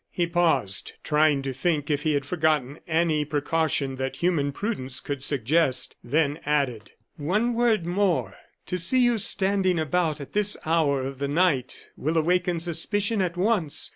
He paused, trying to think if he had forgotten any precaution that human prudence could suggest, then added: "One word more; to see you standing about at this hour of the night will awaken suspicion at once.